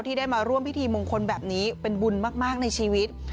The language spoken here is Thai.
ได้มาร่วมพิธีมงคลแบบนี้เป็นบุญมากในชีวิต